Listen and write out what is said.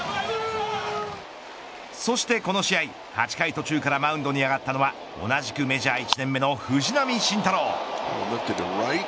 そしてこの試合、８回途中からマウンドに上がったのは同じくメジャー１年目の藤浪晋太郎。